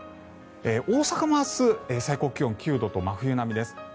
大阪も明日最高気温が９度と真冬並みです。